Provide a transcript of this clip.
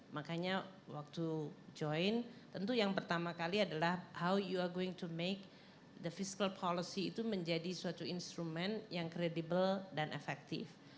makanya waktu join tentu yang pertama kali adalah how you a going to make the fiscal policy itu menjadi suatu instrumen yang kredibel dan efektif